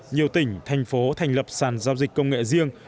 nhiều tỉnh thành phố thành lập sàn giao dịch công nghệ riêng